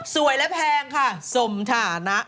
และแพงค่ะสมฐานะ